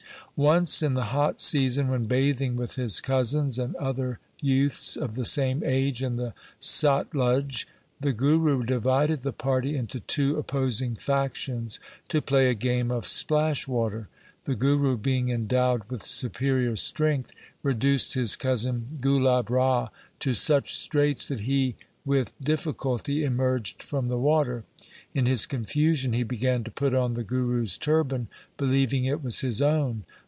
Once in the hot season when bathing with his cousins and other youths of the same age in the Satluj , the Guru divided the party into two opposing factions to play a game of splash water. The Guru being endowed with superior strength reduced his cousin Gulab Rai to such straits that he with diffi culty emerged from the water. In his confusion he began to put on the Guru's turban, believing it was his own.